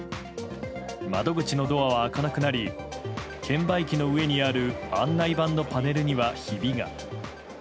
窓口のドアは開かなくなり券売機の上にある案内板のパネルにはひびが。